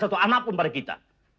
atau anak pun pada kita